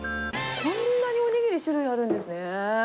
こんなにおにぎり、種類あるんですね。